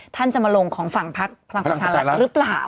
ท่านจะมาลงของฝั่งพักพลังประชารัฐหรือเปล่า